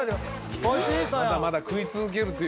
おいしい？